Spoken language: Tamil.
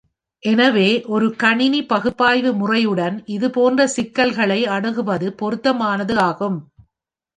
எனவே ஒரு கணினி பகுப்பாய்வு முறையுடன் இதுபோன்ற சிக்கல்களை அணுகுவது பொருத்தமானது ஆகும்.